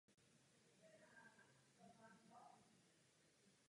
V bitvě se střetli husité s uherskými oddíly křížové výpravy.